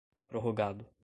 prorrogado